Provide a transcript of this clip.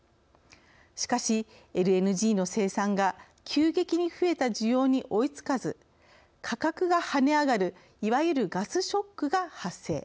しかしＬＮＧの生産が急激に増えた需要に追いつかず価格が跳ね上がるいわゆる「ガスショック」が発生。